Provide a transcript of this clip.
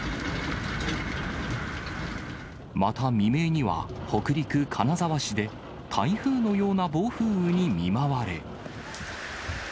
また未明には、北陸・金沢市で台風のような暴風雨に見舞われ。